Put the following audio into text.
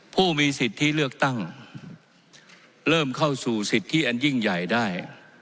ผู้มีสิทธิเลือกตั้งเริ่มเข้าสู่สิทธิอันยิ่งใหญ่ได้